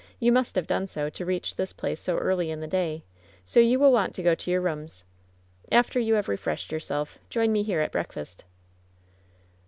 You must have done so to reach this place so early in the day; so you will want to go to your rooms. After you have refreshed yourselves, join me here at breakfast."